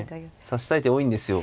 指したい手多いんですよ。